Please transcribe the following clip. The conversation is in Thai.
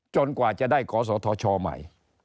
กว่าจะได้กศธชใหม่